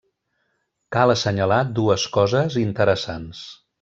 Cal assenyalar dues coses interessants.